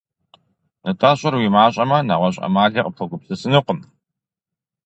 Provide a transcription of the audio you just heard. НтӀэ, щӀыр уи мащӀэмэ, нэгъуэщӀ Ӏэмали къыпхуэгупсысынукъым.